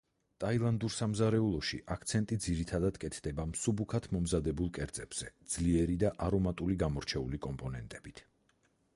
ტაილანდურ სამზარეულოში აქცენტი, ძირითადად, კეთდება მსუბუქად მომზადებულ კერძებზე ძლიერი და არომატული გამორჩეული კომპონენტებით.